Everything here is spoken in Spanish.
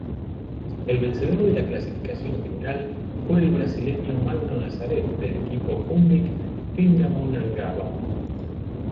El vencedor de la clasificación general fue el brasileño Magno Nazaret del equipo Funvic-Pindamonhangaba.